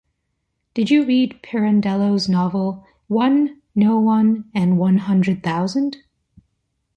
Did you read Pirandello’s novel ‘’One, no one and one hundred thousand’’?